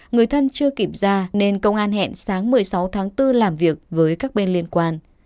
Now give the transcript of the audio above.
người thân chưa kịp ra nên công an hẹn sáng một mươi sáu tháng bốn làm việc với các bên liên quan